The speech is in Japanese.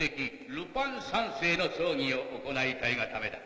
ルパン三世の葬儀を行いたいがためだ。